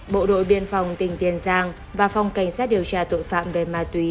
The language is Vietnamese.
bộ đội biên phòng tỉnh tiền giang và phòng cảnh sát điều tra tội phạm về ma túy